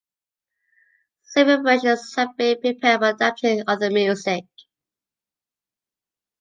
Several versions have been prepared by adapting other music.